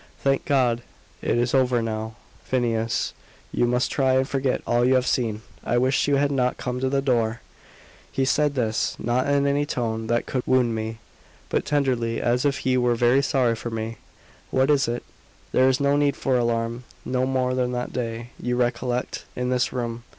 "Thank God, it is over now! Phineas, you must try and forget all you have seen. I wish you had not come to the door." He said this, not in any tone that could wound me, but tenderly, as if he were very sorry for me. "What is it?" "There is no need for alarm; no more than that day you recollect? in this room.